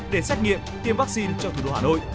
để xét nghiệm tiêm vaccine cho thủ đô hà nội